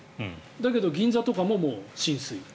だけど銀座とかも、もう浸水。